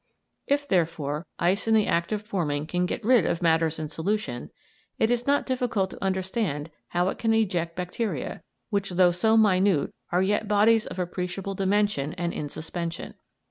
If, therefore, ice in the act of forming can get rid of matters in solution, it is not difficult to understand how it can eject bacteria, which though so minute are yet bodies of appreciable dimension and in suspension.